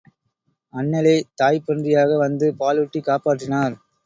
அண்ணலே தாய்ப்பன்றியாக வந்து பாலூட்டிக் காப்பாற்றினார்.